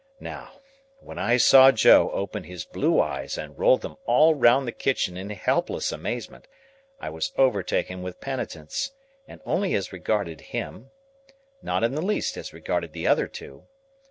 Now, when I saw Joe open his blue eyes and roll them all round the kitchen in helpless amazement, I was overtaken by penitence; but only as regarded him,—not in the least as regarded the other two.